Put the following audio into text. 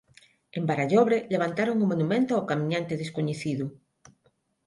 En Barallobre levantaron o monumento ao camiñante descoñecido.